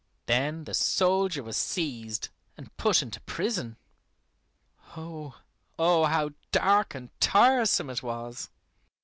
Then the soldier was seized and put into prison. Oh, how dark and tiresome it was!